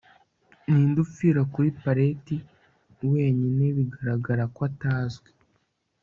ninde upfira kuri pallet, wenyine bigaragara ko atazwi